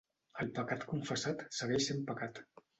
El pecat confessat segueix sent pecat.